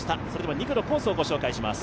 ２区のコースをご紹介します。